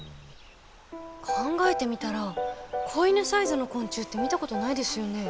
考えてみたら子犬サイズの昆虫って見たことないですよね？